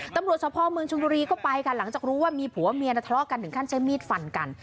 ตำรวจสะพอเมืองชนบุรีก็ไปค่ะหลังจากรู้ว่ามีผัวเมียนะทะเลาะกันถึงขั้นใช้มีดฟันกัน